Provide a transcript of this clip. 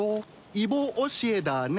イボ教えだね。